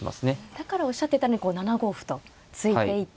だからおっしゃってたように７五歩と突いていって。